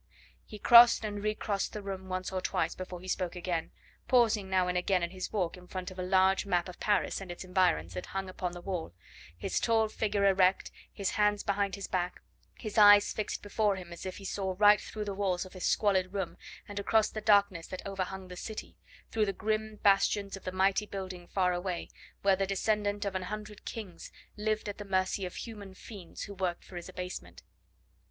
He crossed and recrossed the room once or twice before he spoke again, pausing now and again in his walk in front of a large map of Paris and its environs that hung upon the wall, his tall figure erect, his hands behind his back, his eyes fixed before him as if he saw right through the walls of this squalid room, and across the darkness that overhung the city, through the grim bastions of the mighty building far away, where the descendant of an hundred kings lived at the mercy of human fiends who worked for his abasement.